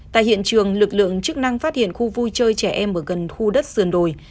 tại hiện trường lực lượng chức năng phát hiện khu vui chơi trẻ em ở gần khu đất sườn đồi